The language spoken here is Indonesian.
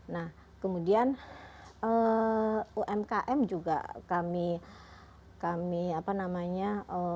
nah kemudian umkm juga kami apa namanya